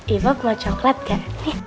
ibon mau coklat gak